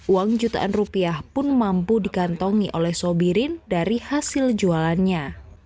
uang jutaan rupiah pun mampu dikantongi oleh sobirin dari hasil jualannya